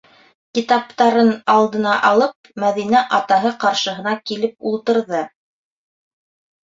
- Китаптарын алдына алып, Мәҙинә атаһы ҡаршыһына килеп ултырҙы.